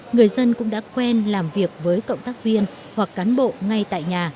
người dân cũng đã quen làm việc với cộng tác viên hoặc cán bộ ngay tại nhà